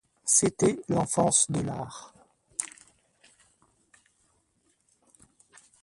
C’était l’enfance de l’art.